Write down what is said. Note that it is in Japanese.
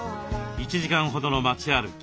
１時間ほどの街歩き。